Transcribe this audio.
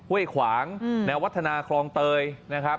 ห้วยขวางแนววัฒนาคลองเตยนะครับ